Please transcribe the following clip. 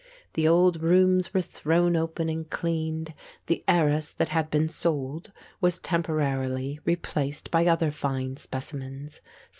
The old rooms were thrown open and cleaned, the arras, that had been sold, was temporarily replaced by other fine specimens.